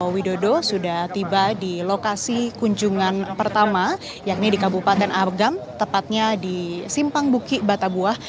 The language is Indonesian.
widodo sudah tiba di lokasi kunjungan pertama yakni di kabupaten afgam tepatnya di simpang buki batabuah